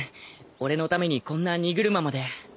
俺のためにこんな荷車まで。